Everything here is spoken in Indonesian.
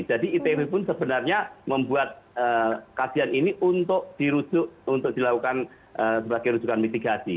jadi itb pun sebenarnya membuat kajian ini untuk dilakukan sebagai rujukan mitigasi